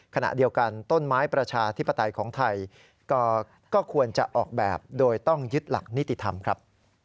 ขณะเดียวกันต้นไม้ประชาธิปไตยของไทยก็ควรจะออกแบบโดยต้องยึดหลักนิติธรรมครับ